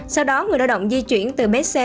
sau đó người lao động di chuyển từ bến xe